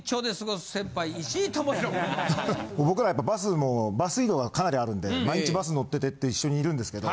僕らやっぱバス移動がかなりあるんで毎日バスに乗ってて一緒にいるんですけど。